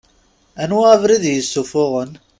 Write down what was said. Anwa abrid i yessuffuɣen?